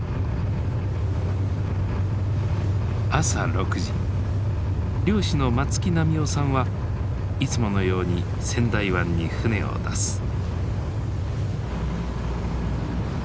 朝６時漁師の松木波男さんはいつものように仙台湾に船を出す。